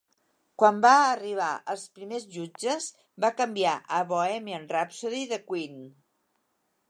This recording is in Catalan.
Quan va arribar als primers jutges, va canviar a "Bohemian Rhapsody" de Queen.